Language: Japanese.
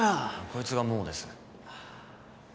こいつが桃です。